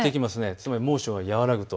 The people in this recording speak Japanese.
つまり猛暑が和らぐと。